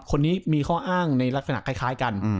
คนนี้มีข้ออ้างในลักษณะคล้ายกัน